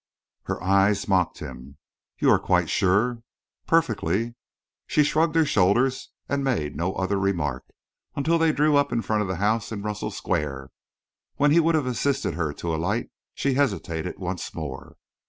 Her eyes mocked him. "You are quite sure?" "Perfectly." She shrugged her shoulders and made no other remark until they drew up in front of the house in Russell Square. When he would have assisted her to alight, she hesitated once more.